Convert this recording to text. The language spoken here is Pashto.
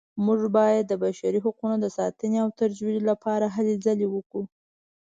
موږ باید د بشري حقونو د ساتنې او ترویج لپاره هلې ځلې وکړو